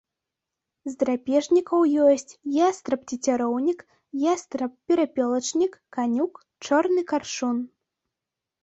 З драпежнікаў ёсць ястраб-цецяроўнік, ястраб-перапёлачнік, канюк, чорны каршун.